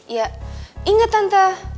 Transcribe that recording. ya inget tante